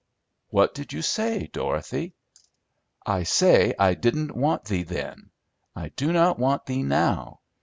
"What did you say, Dorothy?" "I say I didn't want thee then. I do not want thee now.